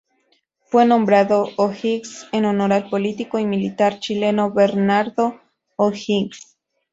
Fue nombrado O'Higgins en honor al político y militar chileno Bernardo O'Higgins.